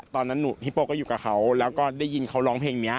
ตอนนั้นฮิปโป้ก็อยู่กับเขาแล้วก็ได้ยินเขาร้องเพลงนี้